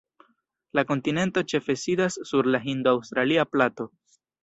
La kontinento ĉefe sidas sur la Hindo-Aŭstralia Plato.